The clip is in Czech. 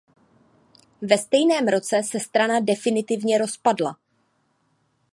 Ve stejném roce se strana definitivně rozpadla.